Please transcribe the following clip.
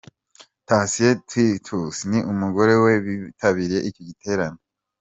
Thacien Titus n'umugore we bitabiriye icyo giterane.